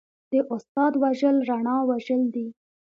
د استاد وژل رڼا وژل دي.